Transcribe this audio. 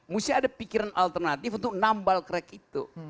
mesti ada pikiran alternatif untuk nambal crack itu